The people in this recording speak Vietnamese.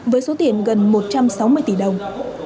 với số tiền gần một trăm sáu mươi tỷ đồng